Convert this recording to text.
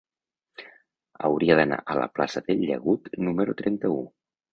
Hauria d'anar a la plaça del Llagut número trenta-u.